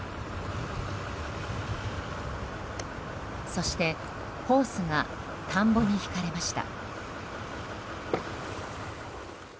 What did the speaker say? そしてホースが田んぼに引かれました。